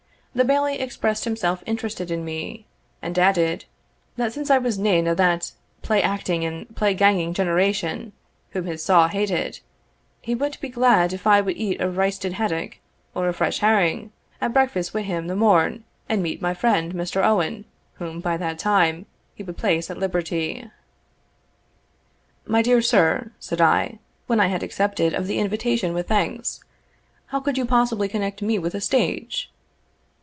The Bailie expressed himself interested in me, and added, "That since I was nane o' that play acting and play ganging generation, whom his saul hated, he wad be glad if I wad eat a reisted haddock or a fresh herring, at breakfast wi' him the morn, and meet my friend, Mr. Owen, whom, by that time, he would place at liberty." "My dear sir," said I, when I had accepted of the invitation with thanks, "how could you possibly connect me with the stage?"